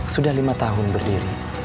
sudah lima tahun berdiri